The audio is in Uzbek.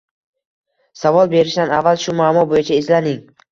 Savol berishdan avval shu muammo bo’yicha izlaning